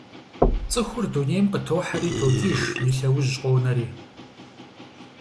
ЦӀыхур дунейм къытохьэри токӀыж и лъэужь къонэри.